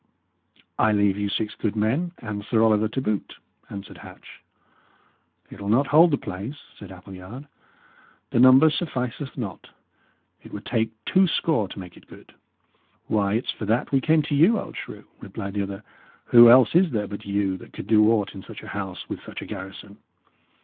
"I leave you six good men, and Sir Oliver to boot," answered Hatch. "It'll not hold the place," said Appleyard; "the number sufficeth not. It would take two score to make it good." "Why, it's for that we came to you, old shrew!" replied the other. "Who else is there but you that could do aught in such a house with such a garrison?"